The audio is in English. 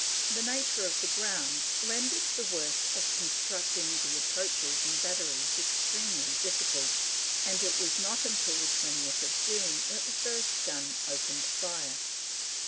The nature of the ground rendered the work of constructing the approaches and batteries extremely difficult, and it was not till 20th June that the first gun opened fire.